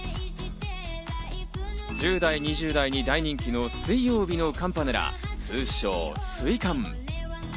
１０代、２０代に大人気の水曜日のカンパネラ、通称・水カン。